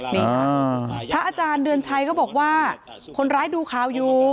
นี่ค่ะพระอาจารย์เดือนชัยก็บอกว่าคนร้ายดูข่าวอยู่